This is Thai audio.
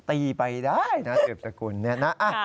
ตีไปได้นะอึบสกุลนี้นะ